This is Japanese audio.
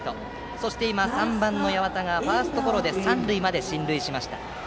そして今、３番の八幡がファーストゴロで三塁まで進塁しました。